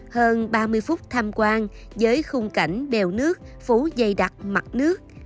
hơn ba mươi phút tham quan với khung cảnh bèo nước phú dây đặc mặt nước